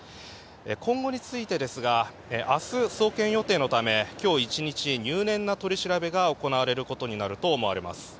今後についてですが明日、送検予定のため今日１日、入念な取り調べが行われることになると思われます。